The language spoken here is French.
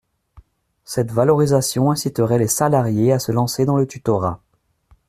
Cette valorisation inciterait les salariés à se lancer dans le tutorat.